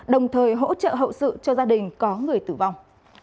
đồng thời hỗ trợ hậu sự cho gia đình có người tử vong